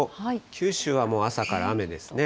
九州はもう朝から雨ですね。